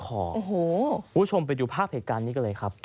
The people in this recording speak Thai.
คุณผู้ชมไปดูภาพเหตุการณ์นี้กันเลยครับ